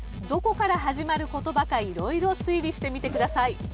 どこから始まる言葉か色々推理してみてください。